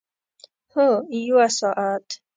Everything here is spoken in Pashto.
هو، یوه ساعت